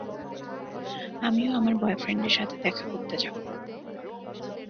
আমিও আমার বয়ফ্রেন্ডের সাথে দেখা করতে যাবো।